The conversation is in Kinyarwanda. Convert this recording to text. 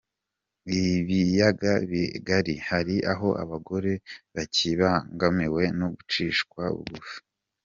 Ibiyaga Bigari Hari aho abagore bakibangamiwe no gucishwa bugufi